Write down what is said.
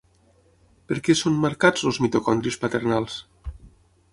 Per què són marcats els mitocondris paternals?